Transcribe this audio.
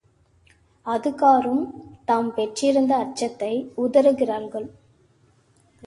அதுகாறும் தாம் பெற்றிருந்த அச்சத்தை உதறுகிறார்கள்.